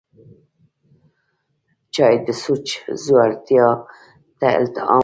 چای د سوچ ژورتیا ته الهام ورکوي